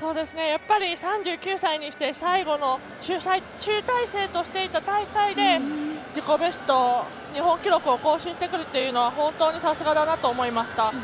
３９歳にして、最後の集大成としていた大会で自己ベスト、日本記録を更新してくるというのは本当にさすがだなと思いました。